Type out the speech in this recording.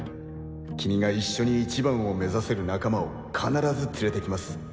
君が一緒に一番を目指せる仲間を必ず連れてきます。